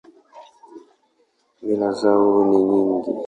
Mila zao ni nyingi.